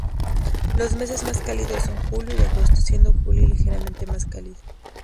Los meses más cálidos son julio y agosto, siendo julio ligeramente más cálido.